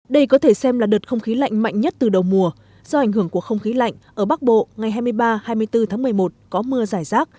đây có thể xem là đợt không khí lạnh mạnh nhất từ đầu mùa do ảnh hưởng của không khí lạnh ở bắc bộ ngày hai mươi ba hai mươi bốn tháng một mươi một có mưa giải rác